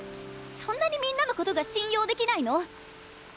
そんなにみんなのことが信用できないの？